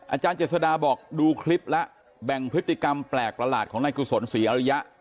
อาจารย์เจษฎาบอกดูคลิปแล้วแบ่งพฤติกรรมแปลกประหลาดของนายกุศลศรีอริยะ